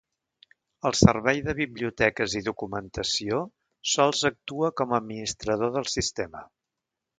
El Servei de Biblioteques i Documentació sols actua com a administrador del sistema.